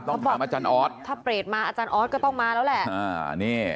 ถ้าเปรตมาอาจารย์ออสก็ต้องมาแล้วแหละ